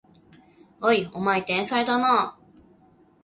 おい、お前天才だな！